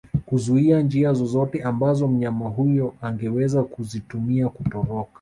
kuzuia njia zozote ambazo mnyama huyo angeweza kuzitumia kutoroka